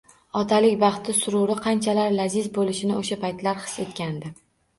Otalik baxti sururi qanchalar laziz bo`lishini o`sha paytlarda his etgandi